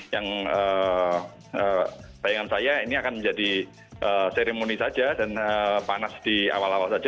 yang bayangan saya ini akan menjadi seremoni saja dan panas di awal awal saja